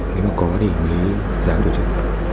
nếu mà có thì mới giảm tổ chức